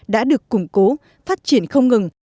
đã được củng cố phát triển không ngừng